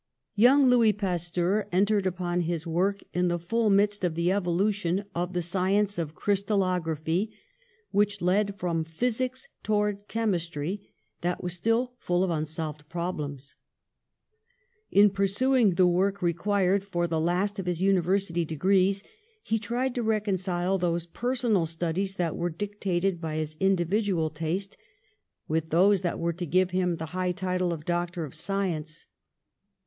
'' Young Louis Pasteur entered upon his work in the full midst of the evolution of the sci ence of crystalography, which led from physics towards chemistry, that was still full of un solved problems. In pursuing the work re quired for the last of his university degrees he tried to reconcile those personal studies that were dictated by his individual taste with those 28 PASTEUR that were to give him the high title of Doc tor of Science.